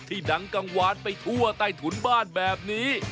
ดังกังวานไปทั่วใต้ถุนบ้านแบบนี้